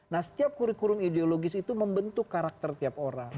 nah setiap kurikulum ideologis itu membentuk karakter tiap orang